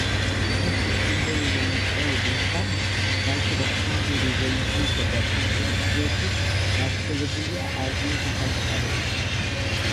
მისი სიმბოლური მნიშვნელობის გამო, ვაჯრა ინდური რელიგიისა და კულტურის გვერდით, გავრცელებულია აზიის სხვა მხარეებში.